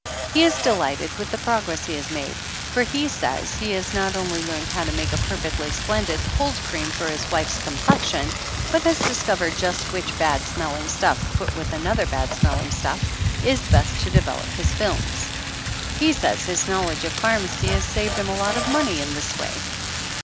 He is delighted with the progress he has made, for he says he has not only learned how to make a perfectly splendid cold cream for his wife's complexion, but has discovered just which bad smelling stuff put with another bad smelling stuff is best to de velop his films. He says his knowledge of phar macy has saved him a lot of money in this way.